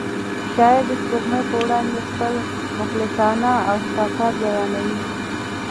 شاعر د سپوږمۍ په وړاندې خپل مخلصانه احساسات بیانوي.